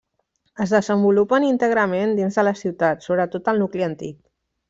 Es desenvolupen íntegrament dins de la ciutat, sobretot al nucli antic.